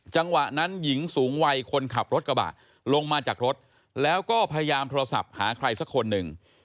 จังหวะนั้นหญิงสูงวัยคนขับรถกระบะลงมาจากรถแล้วก็พยายามโทรศัพท์หาใครสักคนหนึ่ง